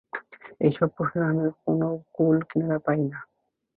এইসব প্রশ্নের আমি কোনো কূল-কিনারা পাই না।